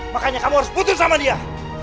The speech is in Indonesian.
makanya kamu harus putus sama dia